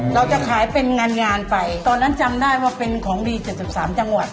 เราจะขายเป็นงานงานไปตอนนั้นจำได้ว่าเป็นของดี๗๓จังหวัด